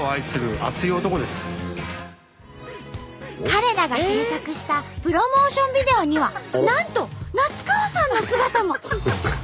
彼らが制作したプロモーションビデオにはなんと夏川さんの姿も！